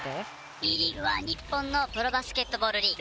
Ｂリーグは日本のプロバスケットボールリーグ。